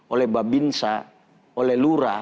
oleh babinsa oleh lura